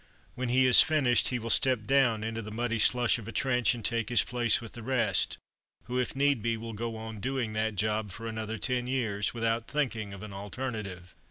When he has finished he will step down into the muddy slush of a trench, and take his place with the rest, who, if need be, will go on doing that job for another ten years, without thinking of an alternative.